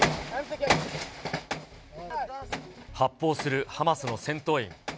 発砲するハマスの戦闘員。